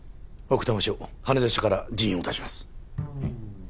奥多摩署羽田署から人員を出します。